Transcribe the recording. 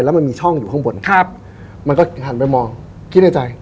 แล้วมันมีช่องอยู่ข้างบนครับมันก็หันไปมองคิดในใจ